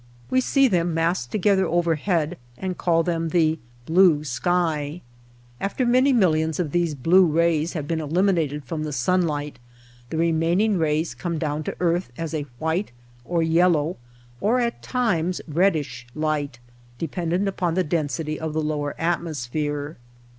We see them massed together overhead and call them the ^^blue sky/"* After many millions of these blue rays have been eliminated from the sun light the remaining rays come down to earth as a white or yellow or at times reddish light, dependent upon the density of the lower atmos phere.